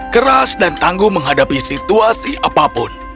keras dan tangguh menghadapi situasi apapun